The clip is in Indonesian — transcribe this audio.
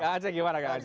kak aceh gimana kak aceh